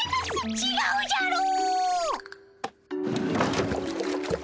ちがうじゃろー。